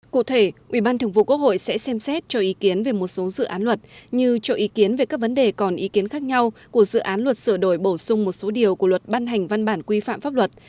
cụ thể ủy ban thường vụ quốc hội sẽ xem xét cho ý kiến về một số dự án luật như cho ý kiến về các vấn đề còn ý kiến khác nhau của dự án luật sửa đổi bổ sung một số điều của luật ban hành văn bản quy phạm pháp luật